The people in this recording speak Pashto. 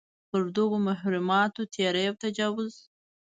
پر دغو محرماتو تېری او تجاوز.